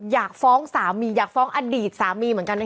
อยากฟ้องสามีอยากฟ้องอดีตสามีเหมือนกัน